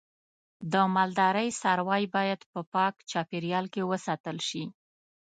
د مالدارۍ څاروی باید په پاک چاپیریال کې وساتل شي.